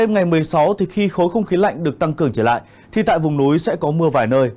ngày một mươi sáu thì khi khối không khí lạnh được tăng cường trở lại thì tại vùng núi sẽ có mưa vài nơi